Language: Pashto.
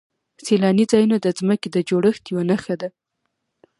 سیلاني ځایونه د ځمکې د جوړښت یوه نښه ده.